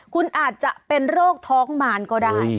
คุณอาจจะเป็นโรคท้องมารก็ได้